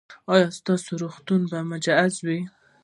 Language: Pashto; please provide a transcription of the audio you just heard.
ایا ستاسو روغتون به مجهز وي؟